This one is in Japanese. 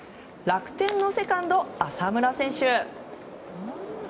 楽天のセカンド、浅村選手。